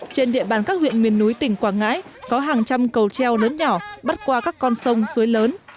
trên địa bàn các huyện miền núi tỉnh quảng ngãi có hàng trăm cầu treo lớn nhỏ bắt qua các con sông suối lớn